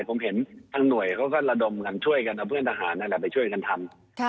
ผมเห็นทางหน่วยเขาก็ระดมกันช่วยกันเอาเพื่อนทหารนั่นแหละไปช่วยกันทำ